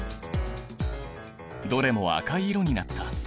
どれも赤い色になった。